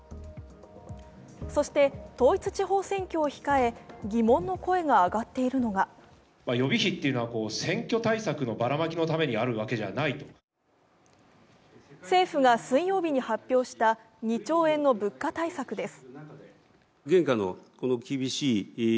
そして統一地方選挙を控え、疑問の声が上がっているのが政府が水曜日に発表した２兆円の物価対策です。